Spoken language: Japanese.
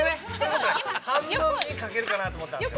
半分にかけるかなと思ったんですけど。